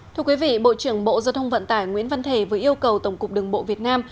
thưa quý vị bộ trưởng bộ giao thông vận tải nguyễn văn thể vừa yêu cầu tổng cục đường bộ việt nam